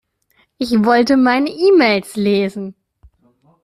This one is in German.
Ich wollte meine E-Mails lesen.